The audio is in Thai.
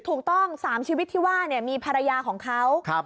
ถูกต้อง๓ชีวิตที่ว่ามีภรรยาของเขา